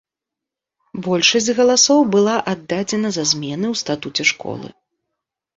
Большасць галасоў была аддадзена за змены ў статуце школы.